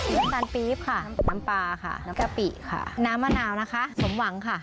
น้ำตาลปี๊บค่ะน้ำปลาค่ะน้ำกะปิค่ะน้ำมะนาวนะคะสมหวังค่ะ